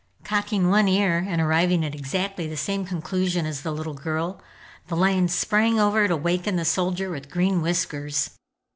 Cocking one ear and arriving at exactly the same conclusion as the little girl, the lion sprang over to waken the Soldier with Green Whiskers.